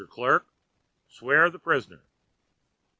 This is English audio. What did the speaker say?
Clerk, swear the prisoner."